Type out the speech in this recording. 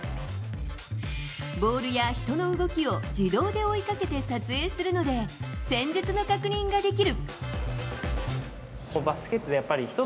ボールや人の動きを自動で追いかけて撮影するので戦術の確認ができる。